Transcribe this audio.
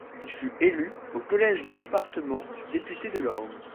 Il fut élu, au collège de département, député de l'Orne.